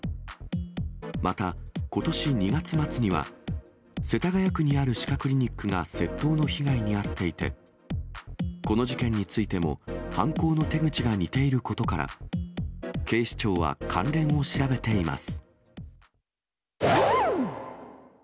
またことし２月末には、世田谷区にある歯科クリニックが窃盗の被害に遭っていて、この事件についても、犯行の手口が似ていることから、警視庁は関連を調べています。